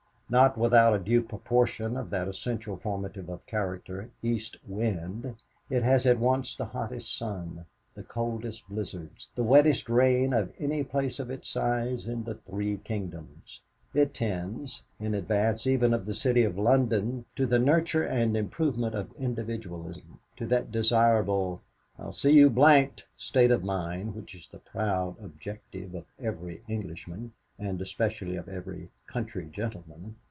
Not without a due proportion of that essential formative of character, east wind, it has at once the hottest sun, the coldest blizzards, the wettest rain, of any place of its size in the "three kingdoms." It tends in advance even of the City of London to the nurture and improvement of individualism, to that desirable "I'll see you d d" state of mind which is the proud objective of every Englishman, and especially of every country gentleman.